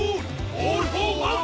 オールフォーワン！